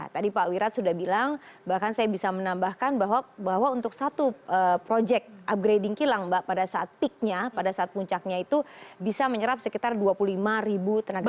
tadi pak wirat sudah bilang bahkan saya bisa menambahkan bahwa untuk satu project upgrading kilang mbak pada saat peaknya pada saat puncaknya itu bisa menyerap sekitar dua puluh lima ribu tenaga kerja